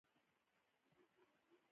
هغه د کمزورو حیواناتو ساتنه کوله.